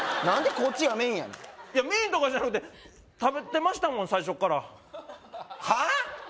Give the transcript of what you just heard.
何でこっちがメインやねんいやメインとかじゃなくて食べてましたもん最初っからはあ？